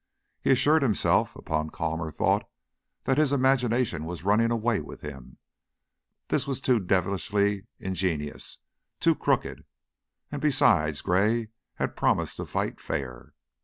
He assured himself, upon calmer thought, that his imagination was running away with him; this was too devilishly ingenious, too crooked! And besides, Gray had promised to fight fair.